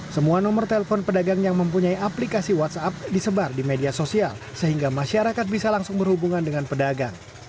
semua nomor telepon pedagang yang mempunyai aplikasi whatsapp disebar di media sosial sehingga masyarakat bisa langsung berhubungan dengan pedagang